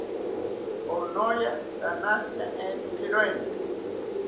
Konoya ranashita entzikiroini